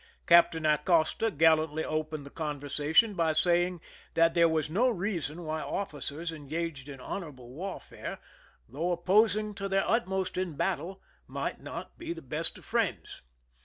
Captain Acosta gallantly opened the conversation by saying that there was no reason why officers engaged in honorable warfare, though opposing to their utmost in battle, might not be the best of friends.